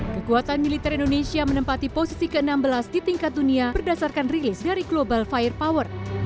kekuatan militer indonesia menempati posisi ke enam belas di tingkat dunia berdasarkan rilis dari global fire power